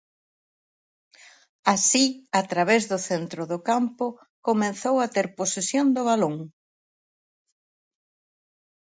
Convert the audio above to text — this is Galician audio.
Así, a través do centro do campo, comezou a ter posesión do balón.